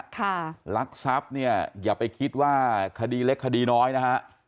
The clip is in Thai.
ลักทรัพย์เนี่ยอย่าไปคิดว่าคดีเล็กคดีน้อยนะฮะ